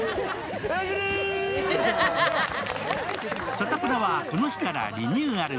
「サタプラ」はこの日からリニューアル。